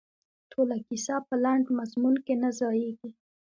ټوله کیسه په لنډ مضمون کې نه ځاییږي.